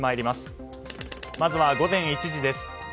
まずは午前１時です。